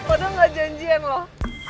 padahal gak janjian loh